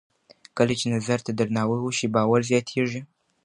کله چې نظر ته درناوی وشي، باور زیاتېږي.